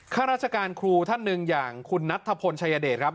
ข้าราชการครูท่านหนึ่งอย่างคุณนัทธพลชายเดชครับ